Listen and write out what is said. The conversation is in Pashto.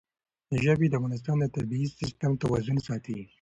ژبې د افغانستان د طبعي سیسټم توازن ساتي.